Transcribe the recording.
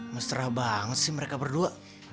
mesra banget sih mereka berdua